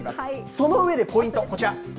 その上でポイント、こちら。